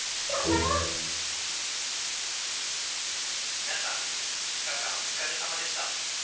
「みなさん２日間おつかれさまでした」。